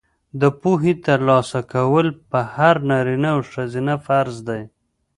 د پوهې ترلاسه کول په هر نارینه او ښځینه فرض دي.